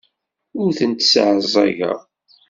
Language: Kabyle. Ur tent-sseɛẓageɣ.